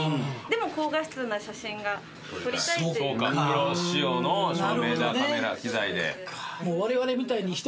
プロ仕様の照明カメラ機材で。